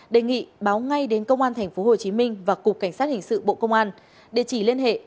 đề nghị báo ngay đến công an tp hcm và cục cảnh sát hình sự bộ công an địa chỉ liên hệ